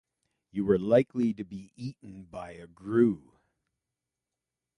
You are likely to be eaten by a grue.